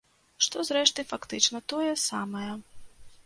Што, зрэшты, фактычна тое самае.